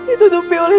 itu adalah kebetulan aku